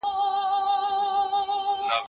وجود یې د وخت له ګوزارونو ستړی ښکارېده.